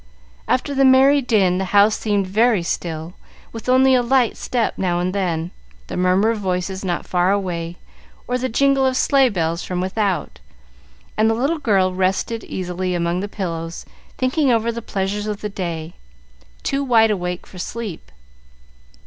After the merry din the house seemed very still, with only a light step now and then, the murmur of voices not far away, or the jingle of sleigh bells from without, and the little girl rested easily among the pillows, thinking over the pleasures of the day, too wide awake for sleep.